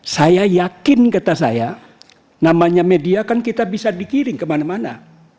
saya yakin kata saya namanya media kan kita bisa dikirim kemana mana